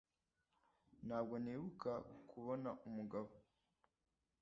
Ntabwo nibuka kubona umugabo.